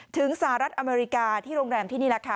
สหรัฐอเมริกาที่โรงแรมที่นี่แหละค่ะ